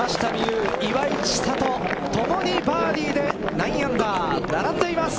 有、岩井千怜共にバーディーで９アンダー並んでいます。